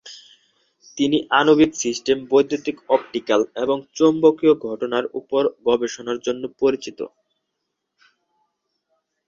তিনি আণবিক সিস্টেমে বৈদ্যুতিন অপটিক্যাল এবং চৌম্বকীয় ঘটনার উপর গবেষণার জন্য পরিচিত।